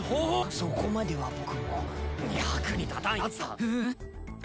そこまでは僕も。役に立たんヤツだ！